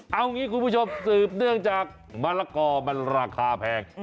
เอางี้คุณผู้ชมสืบเนื่องจากมะละกอมันราคาแพง